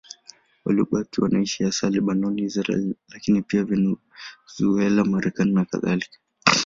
Waliobaki wanaishi hasa Lebanoni, Israeli, lakini pia Venezuela, Marekani nakadhalika.